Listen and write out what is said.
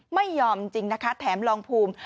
ไม่ยอมจริงนะคะแถมลองภูมิ